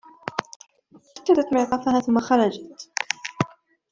ارتدت معطفها ثم خرجت.